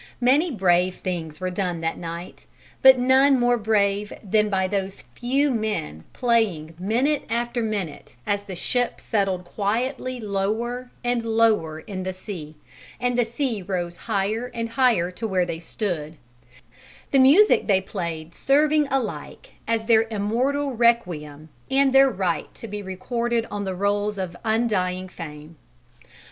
Many brave things were done that night, but none more brave than by those few men playing minute after minute as the ship settled quietly lower and lower in the sea and the sea rose higher and higher to where they stood; the music they played serving alike as their own immortal requiem and their right to be recorded on the rolls of undying fame.